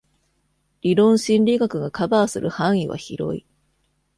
理論心理学がカバーする範囲は広い。